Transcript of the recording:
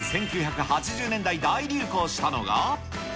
まず１９８０年代、大流行したのが。